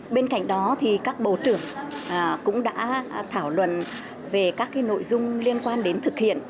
bên cạnh đó thì các bộ trưởng cũng đã thảo luận về các nội dung liên quan đến thực hiện